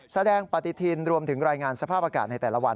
แสดงปฏิทินรวมถึงรายงานสภาพอากาศในแต่ละวัน